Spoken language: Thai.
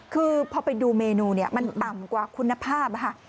คือพอไปดูเมนูมันต่ำกว่าคุณภาพ